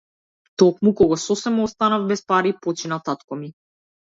Токму кога сосема останав без пари, почина татко ми.